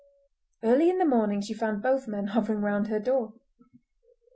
Early in the morning she found both men hovering round her door.